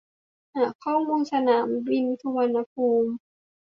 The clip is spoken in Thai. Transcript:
หาข้อมูลสนามบินสุวรรณภูมิ